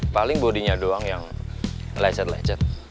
paling bodinya doang yang lecet lecet